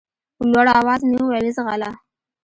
په لوړ اواز مې وويل ځغله.